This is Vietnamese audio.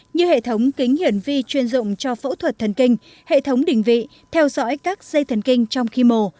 như hệ thống kính hiển vi chuyên dụng cho phẫu thuật thần kinh hệ thống đỉnh vị theo dõi các dây thần kinh trong khi mồ